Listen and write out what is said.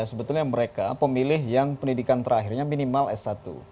sebetulnya mereka pemilih yang pendidikan terakhirnya minimal s satu